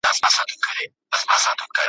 پر ملا به کړوپه بوډۍ زړه یې `